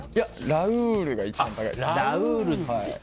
ラウールが一番高いです。